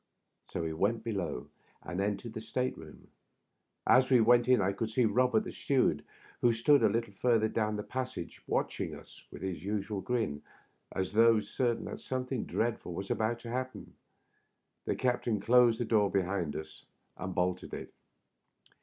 So we went below, and entered the state room. As we went in I could see Robert the steward, who stood a little further down the passage, watching us, with his usual grin, as though certain that something dreadful was about to happen. The captain closed the door behind us and bolted it.